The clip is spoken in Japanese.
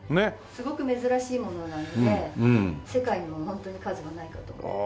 すごく珍しいものなので世界にもホントに数はないかと思います。